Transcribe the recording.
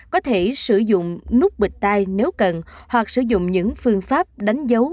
có thể sử dụng nút bịch tay nếu cần hoặc sử dụng những phương pháp đánh dấu